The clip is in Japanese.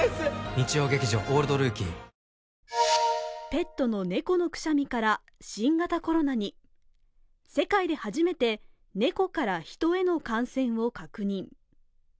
ペットのネコのくしゃみから新型コロナに、世界で初めてネコからヒトへの感染を確認。